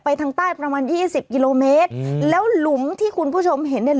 ทางใต้ประมาณยี่สิบกิโลเมตรแล้วหลุมที่คุณผู้ชมเห็นเนี่ย